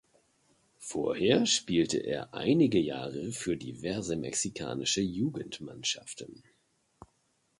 Vorher spielte er einige Jahre für diverse mexikanische Jugendmannschaften.